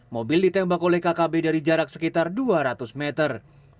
mobil ditembak oleh kkb dari jarak sekitar dua ratus meter